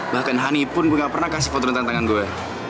bahkan hani pun gue gak pernah kasih foto tentang tangan gue